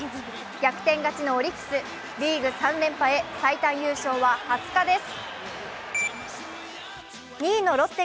逆転勝ちのオリックス、リーグ３連覇へ最短優勝は２０日です。